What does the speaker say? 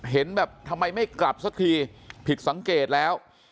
เห็นแบบทำไมไม่กลับสักทีผิดสังเกตแล้ว